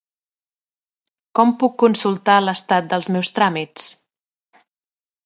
Com puc consultar l'estat dels meus tràmits?